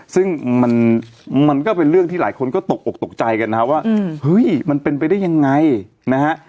ซึ่งมันก็เป็นเรื่องที่หลายคนก็ตกอกตกใจกันนะฮะว่าเฮ้ยมันเป็นไปได้ยังไงนะฮะ